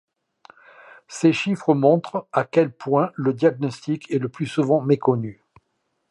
Ces chiffres montrent à quel point le diagnostic est le plus souvent méconnu.